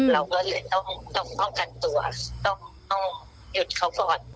เราก็เลยต้องป้องกันตัวต้องหยุดเขาก่อน